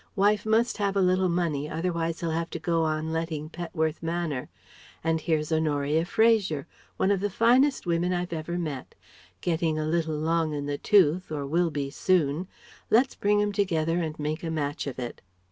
Wife must have a little money, otherwise he'll have to go on letting Petworth Manor. And here's Honoria Fraser, one of the finest women I've ever met. Getting a little long in the tooth or will be soon. Let's bring 'em together and make a match of it.'